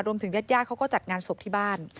ญาติญาติเขาก็จัดงานศพที่บ้าน